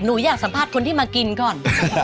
หนูอยากสัมภาษณ์คนที่มากินก่อน